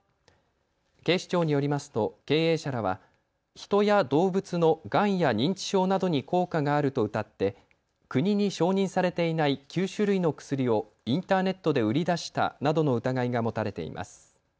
警視庁によりますと経営者らは人や動物のがんや認知症などに効果があるとうたって国に承認されていない９種類の薬をインターネットで売り出したなどの疑いが持たれています。